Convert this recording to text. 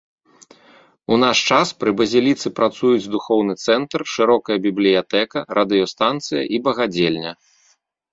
У наш час пры базіліцы працуюць духоўны цэнтр, шырокая бібліятэка, радыёстанцыя і багадзельня.